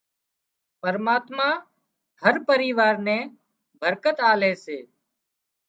پرماتما هر پريوار نين برڪت آلي سي